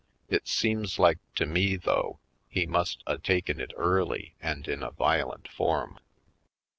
It seems like to me, though, he must a taken it early and in a violent form.